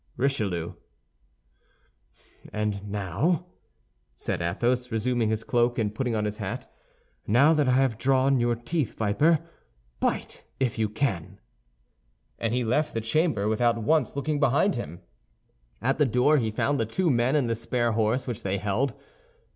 "RICHELIEU" "And now," said Athos, resuming his cloak and putting on his hat, "now that I have drawn your teeth, viper, bite if you can." And he left the chamber without once looking behind him. At the door he found the two men and the spare horse which they held.